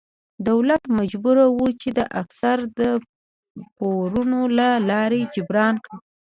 دولت مجبور و چې دا کسر د پورونو له لارې جبران کړي.